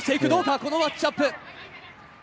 このマッチアップ。